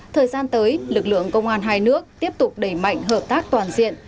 thời gian tới lực lượng công an hai nước tiếp tục đẩy mạnh hợp tác toàn diện